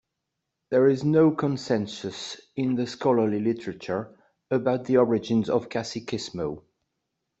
There is no consensus in the scholarly literature about the origins of "caciquismo".